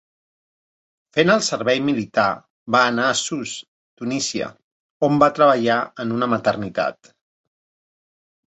Fent el servei militar va anar a Sousse, Tunísia on va treballar en una maternitat.